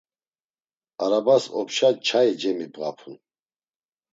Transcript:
Arabas opşa nçai cemibğapun.